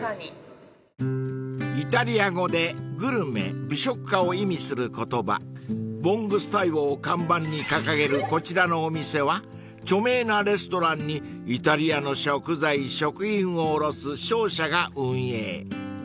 ［イタリア語でグルメ美食家を意味する言葉ブォングスタイオを看板に掲げるこちらのお店は著名なレストランにイタリアの食材食品を卸す商社が運営］